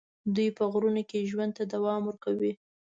دوی په غرونو کې ژوند ته دوام ورکوي.